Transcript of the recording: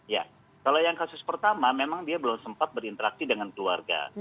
ya kalau yang kasus pertama memang dia belum sempat berinteraksi dengan keluarga